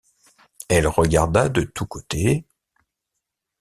Elle regarda de tous côtés.